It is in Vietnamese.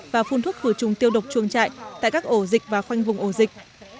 và phun thuốc khử trùng tiêu độc chuồng trại tại các ổ dịch và khoanh vùng ổ dịch